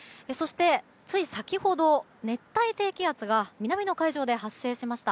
つい先ほど、熱帯低気圧が南の海上で発生しました。